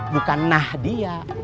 bukan nah dia